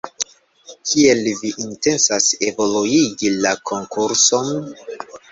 Kiel vi intencas evoluigi la konkurson?